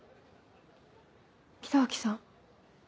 北脇さん？